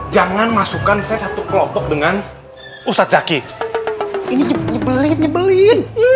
jangan masukkan saya satu kelompok dengan ustadz zaki ini nyebelit nyebelin